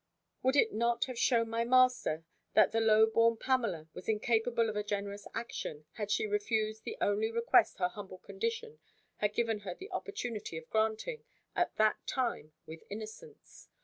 Would it not have shewn my master, that the low born Pamela was incapable of a generous action, had she refused the only request her humble condition had given her the opportunity of granting, at that time, with innocence?